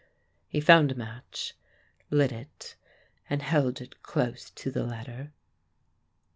He found a match, lit it and held it close to the letter.